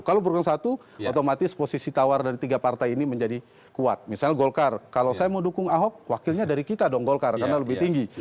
kalau berukuran satu otomatis posisi tawar dari tiga partai ini menjadi kuat misalnya golkar kalau saya mau dukung ahok wakilnya dari kita dong golkar karena lebih tinggi